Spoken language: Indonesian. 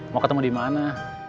mau ketemu dimana